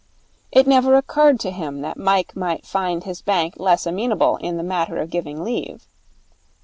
It never occurred to him that Mike might find his bank less amenable in the matter of giving leave.